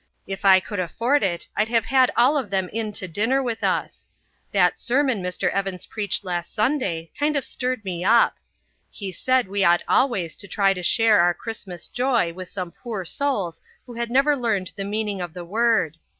If I could afford it, I'd have had them all in to dinner with us. That sermon Mr. Evans preached last Sunday kind of stirred me up. He said we ought always to try and share our Christmas joy with some poor souls who had never learned the meaning of the word.